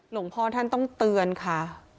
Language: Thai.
หลวงพ่อท่านต้องเตือนค่ะ